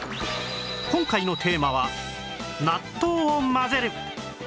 今回のテーマは納豆を混ぜる